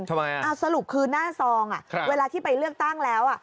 ทำไมอ่ะสรุปคือหน้าซองอะเวลาที่ไปเลือกตั้งแล้ว